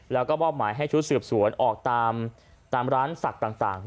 แล้วก็บ้อหมายให้ชุดเสือบสวนออกตามร้านสักต่าง